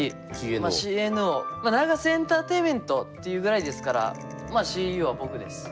まあＮＡＧＡＳＥエンターテインメントっていうぐらいですからまあＣＥＯは僕です。